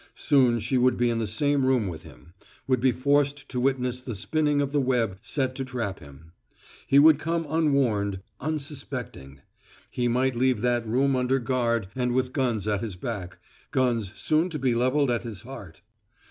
Soon she would be in the same room with him; would be forced to witness the spinning of the web set to trap him. He would come unwarned, unsuspecting. He might leave that room under guard and with guns at his back guns soon to be leveled at his heart.